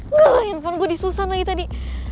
tsk nge handphone gue disusan lagi tadi